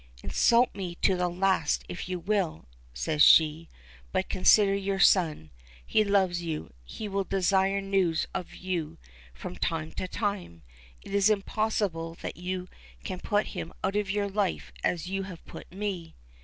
"Insult me to the last if you will!" she says; "but consider your son. He loves you. He will desire news of you from time to time. It is impossible that you can put him out of your life as you have put me."